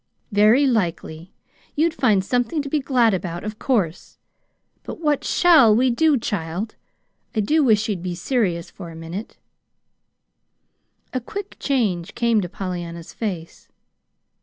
"Very likely. You'd find something to be glad about, of course. But what shall we do, child? I do wish you'd be serious for a minute." A quick change came to Pollyanna's face.